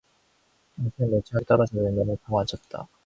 영신은 멀찌감치 떨어져 외면을 하고 앉았다.